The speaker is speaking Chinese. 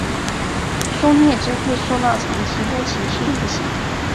受虐者会受到长期的情绪影响。